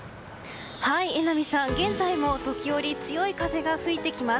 榎並さん、現在も時折強い風が吹いてきます。